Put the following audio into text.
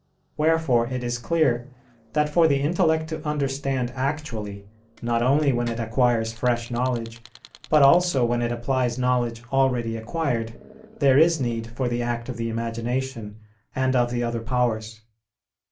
Wherefore it is clear that for the intellect to understand actually, not only when it acquires fresh knowledge, but also when it applies knowledge already acquired, there is need for the act of the imagination and of the other powers.